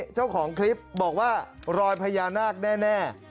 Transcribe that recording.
เจ้าของคลิปบอกว่ารอยพญานาคแน่